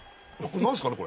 何すかね